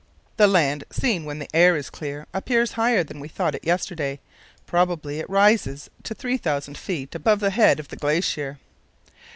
"The land, seen when the air is clear, appears higher than we thought it yesterday; probably it rises to 3000 ft. above the head of the glacier.